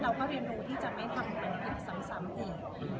เราก็เรียนรู้ที่จะไม่ทำเป็นผิดซ้ำอีก